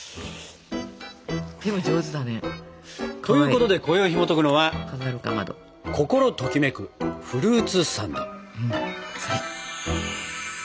でも上手だね。ということでこよいひもとくのは「心ときめくフルーツサンド」。